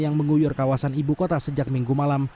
yang mengguyur kawasan ibu kota sejak minggu malam